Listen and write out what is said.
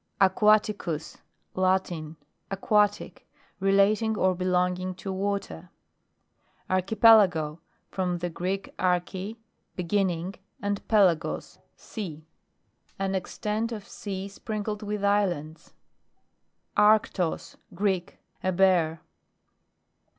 AQUATICUS. Latin. Aquatic. Rela ting or belonging to water. ARCHIPELAGO. From the Greek, arche, beginning, andpelagos, sea ; an extent of sea sprinkled with islands. ARCTOS. Greek. A Bear.